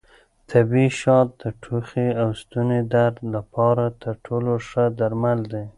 طبیعي شات د ټوخي او ستوني درد لپاره تر ټولو ښه درمل دي.